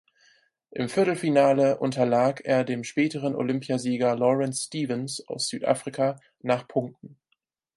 Im Viertelfinale unterlag er dem späteren Olympiasieger Lawrence Stevens aus Südafrika nach Punkten.